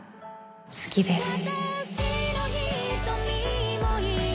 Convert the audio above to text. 好きです